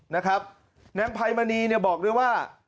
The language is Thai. น้ำไพรมณีบอกด้วยว่า